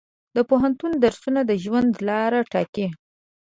د پوهنتون درسونه د ژوند لاره ټاکي.